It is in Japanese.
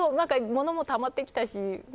物もたまってきたし